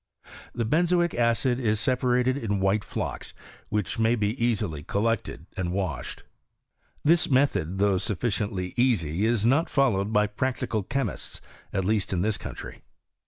The benzoic acid is separated in white flocks, which may be easily col lected and washed. This method, though sufficiently easy, is not followed by practical chemists, at least in this country.